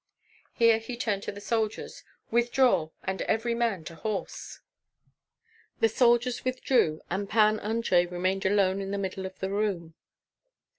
Here he turned to the soldiers: "Withdraw, and every man to horse!" The soldiers withdrew, and Pan Andrei remained alone in the middle of the room.